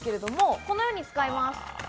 このように使います。